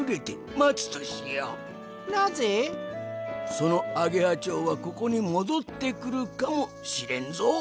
そのアゲハちょうはここにもどってくるかもしれんぞ。